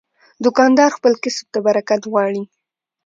دوکاندار خپل کسب ته برکت غواړي.